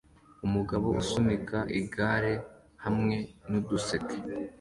Umugabo usunika igare hamwe nuduseke